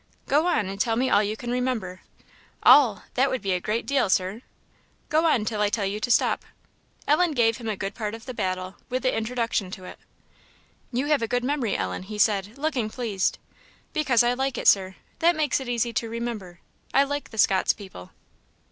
"Go on, and tell me all you can remember." "All! that would be a great deal, Sir." "Go on till I tell you to stop." Ellen gave him a good part of the battle, with the introduction to it. "You have a good memory, Ellen," he said, looking pleased. "Because I like it, Sir; that makes it easy to remember. I like the Scots people."